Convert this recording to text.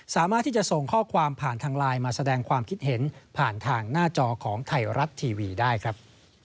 สามารถที่จะส่งข้อความผ่านทางไลน์มาแสดงความคิดเห็นผ่านทางหน้าจอของไทยรัฐทีวีได้ครับ